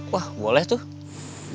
wah boleh tuh